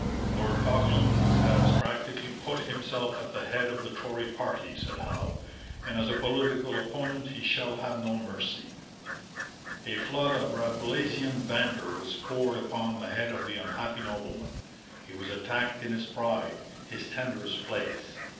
Lord Falkland has practically put himself at the head of the Tory party, said Howe, and as a political opponent he shall have no mercy. A flood of Rabelaisian banter was poured upon the head of the unhappy nobleman. He was attacked in his pride, his tenderest place.